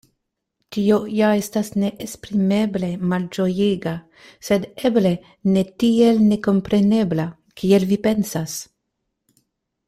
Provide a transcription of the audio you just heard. Tio ja estas neesprimeble malĝojiga, sed eble ne tiel nekomprenebla, kiel vi pensas.